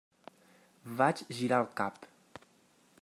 Vaig girar el cap.